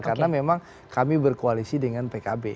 karena memang kami berkoalisi dengan pkb